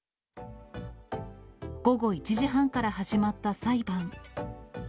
午後１時半から始まった裁判。